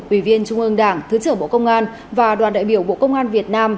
ủy viên trung ương đảng thứ trưởng bộ công an và đoàn đại biểu bộ công an việt nam